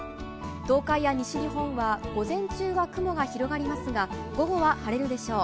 東海や西日本は午前中は雲が広がりますが午後は晴れるでしょう。